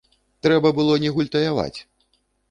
Трэба было не гультаяваць.